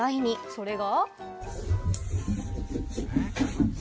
それが。